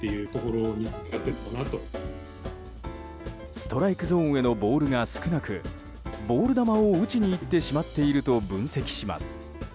ストライクゾーンへのボールが少なくボール球を打ちにいってしまっていると分析します。